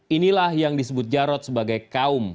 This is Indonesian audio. inilah yang disebut jarod sebagai kaum